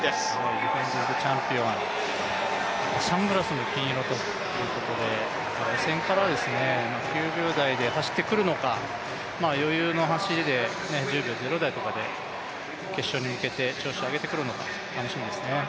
ディフェンディングチャンピオン、サングラスも金色ということで予選から９秒台で走ってくるのか、余裕の走りで１０秒０台とかで決勝に向けて調子を上げてくるのか、楽しみですね。